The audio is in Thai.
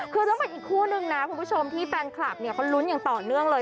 คือต้องเป็นอีกคู่นึงนะคุณผู้ชมที่แฟนคลับเนี่ยเขาลุ้นอย่างต่อเนื่องเลย